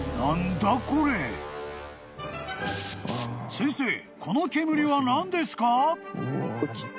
［先生この煙は何ですか？］